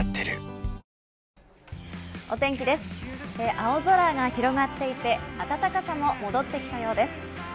青空が広がっていて、暖かさも戻ってきたようです。